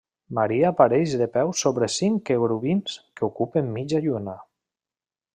Maria apareix de peus sobre cinc querubins que ocupen mitja lluna.